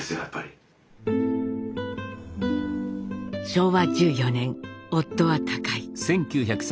昭和１４年夫は他界。